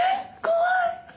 怖い！